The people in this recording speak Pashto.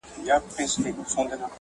خیر دی قبر ته دي هم په یوه حال نه راځي~